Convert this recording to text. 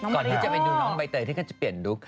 ก่อนที่จะไปดูน้องใบเตยที่ก็จะเปลี่ยนลูก